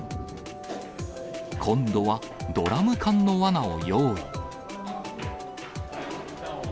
今度はドラム缶のわなを用意。